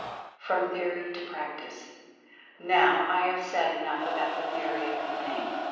FROM THEORY TO PRACTICE. Now I have said enough about the theory of the thing.